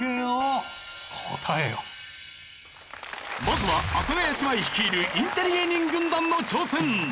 まずは阿佐ヶ谷姉妹率いるインテリ芸人軍団の挑戦！